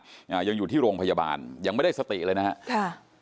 อ่ายังอยู่ที่โรงพยาบาลยังไม่ได้สติเลยนะฮะค่ะ